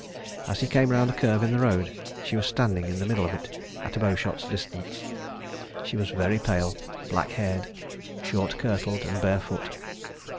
As he came round a curve in the road she was standing in the middle of it at a bowshot's distance. She was very pale, black haired, short kirtled and barefoot.